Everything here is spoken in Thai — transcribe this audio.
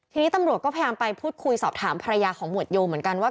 ทีนี้ตำรวจก็พยายามไปพูดคุยสอบถามภรรยาของหมวดโยเหมือนกันว่า